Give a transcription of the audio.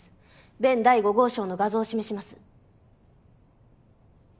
弁第５号証の画像を示します。